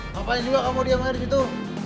ngapain juga kamu diam aja di situ